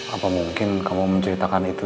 apa mungkin kamu menceritakan itu